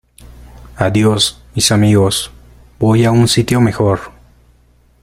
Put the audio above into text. Adiós, mis amigos. Voy a un sitio mejor .